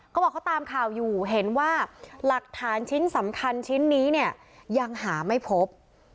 เขาบอกเขาตามข่าวอยู่เห็นว่าหลักฐานชิ้นสำคัญชิ้นนี้เนี่ยยังหาไม่พบ